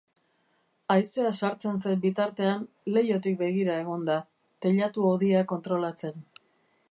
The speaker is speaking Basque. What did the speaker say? Haizea sartzen zen bitartean, leihotik begira egon da, teilatu-hodia kontrolatzen.